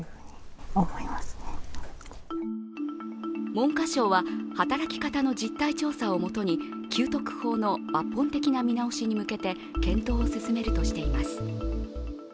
文科省は働き方の実態調査をもとに給特法の抜本的な見直しに向けて検討を進めるとしています。